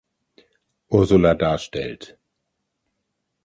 Ursula darstellt.